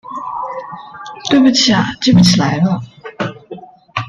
对不起啊记不起来了